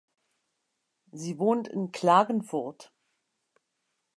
Sie wohnt in Klagenfurt.